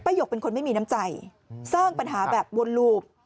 หยกเป็นคนไม่มีน้ำใจสร้างปัญหาแบบวนลูบ